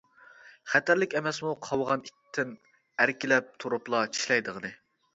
خەتەرلىك ئەمەسمۇ قاۋىغان ئىتتىن، ئەركىلەپ تۇرۇپلا چىشلەيدىغىنى.